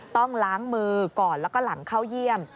ต้องล้างมือก่อนแล้วก็หลังเข้าเยี่ยม